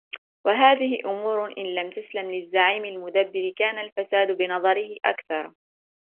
وَهَذِهِ أُمُورٌ إنْ لَمْ تَسْلَمْ لِلزَّعِيمِ الْمُدَبِّرِ كَانَ الْفَسَادُ بِنَظَرِهِ أَكْثَرَ